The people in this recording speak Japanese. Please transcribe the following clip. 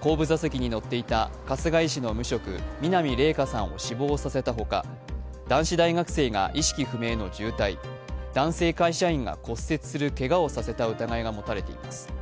後部座席に乗っていた春日井市の無職南怜華さんを死亡させたほか男子大学生が意識不明の重体、男性会社員が骨折するけがをさせた疑いが持たれています。